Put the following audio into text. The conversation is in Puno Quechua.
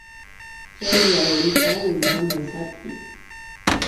Chay yawrita willmaman sat'iy.